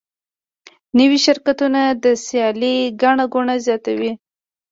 نوي شرکتونه د سیالۍ ګڼه ګوڼه زیاتوي.